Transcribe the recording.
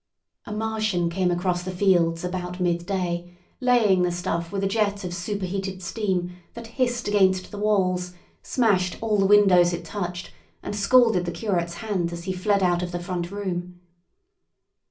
A Martian came across the fields about midday, laying the stuff with a jet of superheated steam that hissed against the walls, smashed all the windows it touched, and scalded the curate's hand as he fled out of the front room.